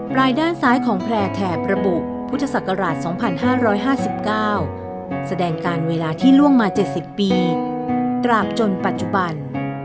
รายด้านซ้ายของแพร่แถบระบุพุทธศักราช๒๕๕๙แสดงการเวลาที่ล่วงมา๗๐ปีตราบจนปัจจุบัน